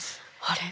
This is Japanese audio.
あれ？